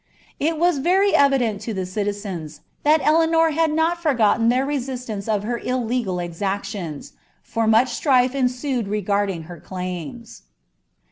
It was very evident to the citizens, that Eleanor had not foigotten their resistance of her illegal exactions ; for much strife ttfucd regarding her claims.